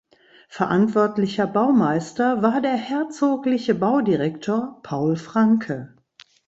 Verantwortlicher Baumeister war der herzogliche Baudirektor Paul Francke.